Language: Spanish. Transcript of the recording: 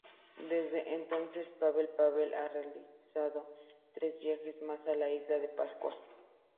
Desde entonces Pavel Pavel ha realizado tres viajes más a la isla de Pascua.